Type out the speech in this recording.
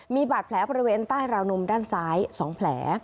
มีบาดแผลบริเวณใต้ราวนมด้านซ้าย๒แผล